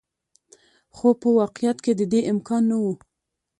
خو په واقعیت کې د دې امکان نه و.